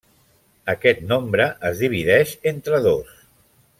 Aquest nombre es divideix entre dos.